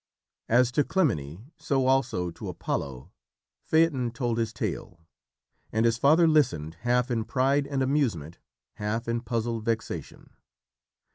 As to Clymene, so also to Apollo, Phaeton told his tale, and his father listened, half in pride and amusement, half in puzzled vexation.